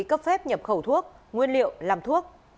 cấp phép nhập khẩu thuốc nguyên liệu làm thuốc